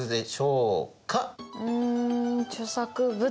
うん著作物！